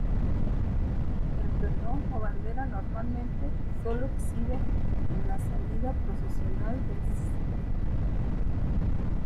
El pendón o bandera normalmente sólo se exhibe en la salida procesional del "Stmo.